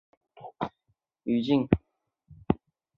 倪三最终也与追捕他的朝廷捕头同归于尽。